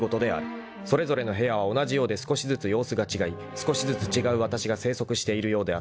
［それぞれの部屋は同じようで少しずつ様子が違い少しずつ違うわたしが生息しているようであった］